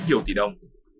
tiểu tỷ đồng